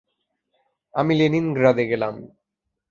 আমি লেনিনগ্রাডে গেলাম।